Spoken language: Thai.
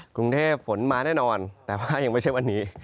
กรุงเทพฝนมาแน่นอนแต่ว่ายังไม่ใช่วันนี้